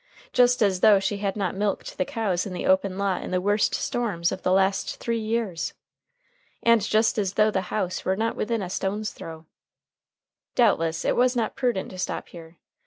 Just as though she had not milked the cows in the open lot in the worst storms of the last three years! And just as though the house were not within a stone's throw! Doubtless it was not prudent to stop here.